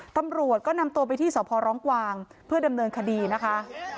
ตำรวจก็นำตัวไปที่สพร้องกวางเพื่อดำเนินคดีนะคะ